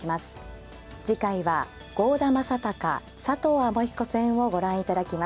次回は郷田真隆佐藤天彦戦をご覧いただきます。